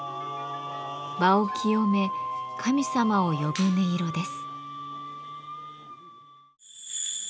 場を清め神様を呼ぶ音色です。